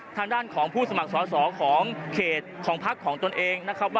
ทางด้านของผู้สมัครสอสอของเขตของพักของตนเองนะครับ